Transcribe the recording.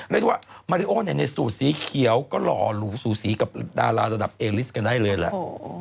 เรียกได้ว่ามาริโอในสูตรสีเขียวก็หล่อหรูสูสีกับดาราระดับเอลิสกันได้เลยแหละ